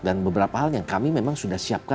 dan beberapa hal yang kami memang sudah siap